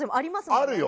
あるよ。